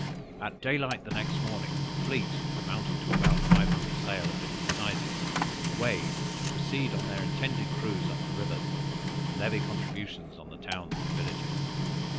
"At day light the next morning, the fleet, amounting to above five hundred sail of different sizes, weighed, to proceed on their intended cruise up the rivers, to levy contributions on the towns and villages.